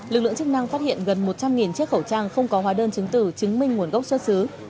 lực lượng chức năng phát hiện gần một trăm linh chiếc khẩu trang không có hóa đơn chứng tử chứng minh nguồn gốc xuất xứ